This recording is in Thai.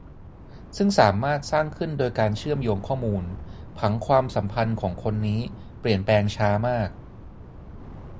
ซึ่งสามารถสร้างขึ้นโดยการเชื่อมโยงข้อมูล - ผังความสัมพันธ์ของคนนี้เปลี่ยนแปลงช้ามาก